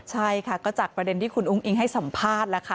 ใช่ค่ะก็จากประเด็นที่คุณอุ้งอิงให้สัมภาษณ์แล้วค่ะ